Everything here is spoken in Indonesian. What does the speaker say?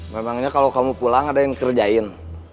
memangnya kalau kamu pulang ada yang kerjain